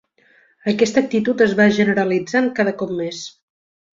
Aquesta actitud es va generalitzant cada cop més.